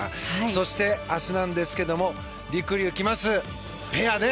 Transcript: そして、明日なんですけれどもりくりゅうが来ます、ペアね。